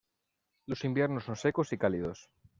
Los inviernos son secos y cálidos.